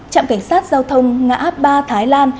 trạm cảnh sát giao thông ngã ba thái lan